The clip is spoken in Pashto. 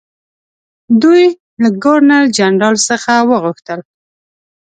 دوی له ګورنرجنرال څخه وغوښتل.